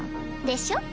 でしょ？